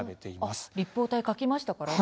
あっ立方体書きましたからね。